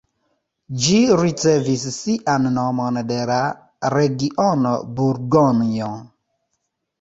Ĝi ricevis sian nomon de la region Burgonjo.